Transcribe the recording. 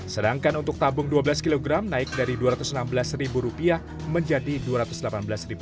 sedangkan untuk tabung dua belas kg naik dari rp dua ratus enam belas menjadi rp dua ratus delapan belas